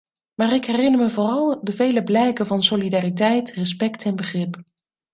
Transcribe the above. Maar ik herinner me vooral de vele blijken van solidariteit, respect en begrip.